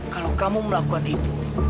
kalau kamu melakukan itu